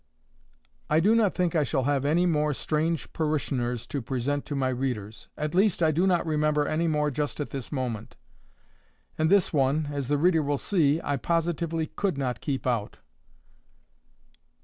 I do not think I shall have any more strange parishioners to present to my readers; at least I do not remember any more just at this moment. And this one, as the reader will see, I positively could not keep out.